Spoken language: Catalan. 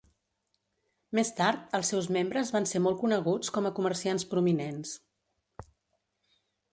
Més tard els seus membres van ser molt coneguts com a comerciants prominents.